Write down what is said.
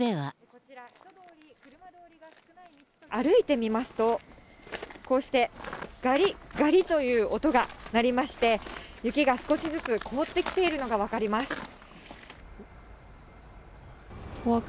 歩いてみますと、こうしてがりっがりっという音が鳴りまして、雪が少しずつ凍ってきているのが分かります。